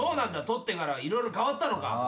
取ってから色々変わったのか？